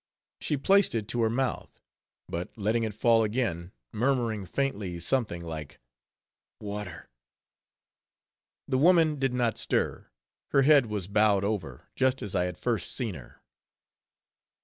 She placed it to her mouth; but letting it fall again, murmuring faintly something like "water." The woman did not stir; her head was bowed over, just as I had first seen her.